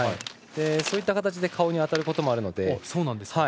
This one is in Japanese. そういった形で顔に当たることもあるので。